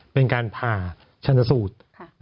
เป็นการผ่าชนสูตร